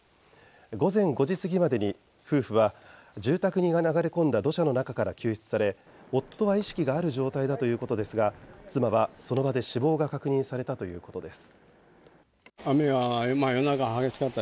午前５時過ぎまでに夫婦は住宅に流れ込んだ土砂の中から救出され夫は意識がある状態だということですが妻はその場で死亡が確認されたということです。